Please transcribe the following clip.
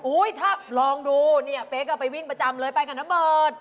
ถ้าลองดูเนี่ยเป๊กก็ไปวิ่งประจำเลยไปกับน้าเบิร์ต